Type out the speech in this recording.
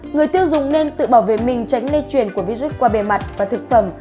người tiêu dùng nên tự bảo vệ mình tránh lây chuyển của virus qua bề mặt và thực phẩm